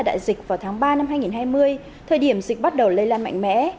đại dịch vào tháng ba năm hai nghìn hai mươi thời điểm dịch bắt đầu lây lan mạnh mẽ